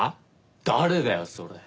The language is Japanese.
誰だよそれ。